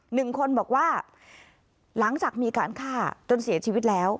หนึ่งคนบอกว่าหลังจากมีการฆ่าจนเสียชีวิตแล้ว